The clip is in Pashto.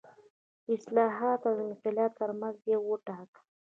د اصلاحاتو او انقلاب ترمنځ یو وټاکه.